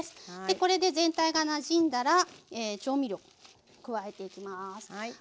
これで全体がなじんだら調味料を加えていきます。